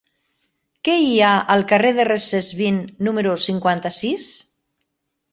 Què hi ha al carrer de Recesvint número cinquanta-sis?